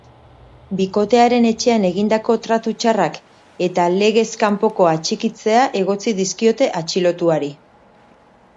Bikotearen etxean egindako tratu txarrak eta legez kanpoko atxikitzea egotzi dizkiote atxilotuari.